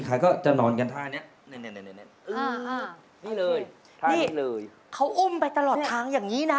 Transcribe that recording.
เขาอุ้มไปตลอดทางอย่างนี้นะ